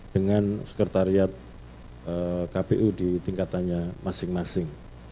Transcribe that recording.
dengan sekretariat kpu di tingkatannya masing masing